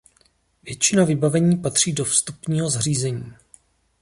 Většina vybavení patří do vstupního zařízení.